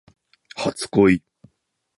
初恋